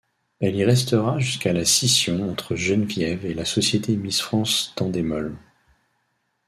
Elle y restera jusqu'à la scission entre Geneviève et la Société Miss France d'Endemol.